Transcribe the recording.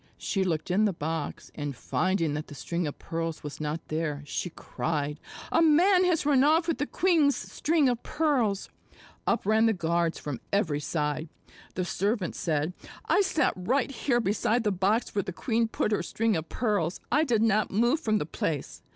She looked in the box, and finding that the string of pearls was not there, she cried, "A man has run off with the queen's string of pearls." Up ran the guards from every side. The servant said: "I sat right here beside the box where the queen put her string of pearls. I did not move from the place.